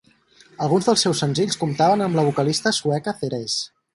Alguns dels seus senzills comptaven amb la vocalista sueca Therese.